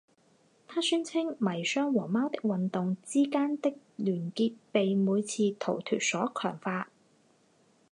他宣称迷箱和猫的运动之间的联结被每次逃脱所强化。